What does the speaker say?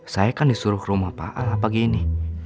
saya kan disuruh ke rumah pak ala pagi ini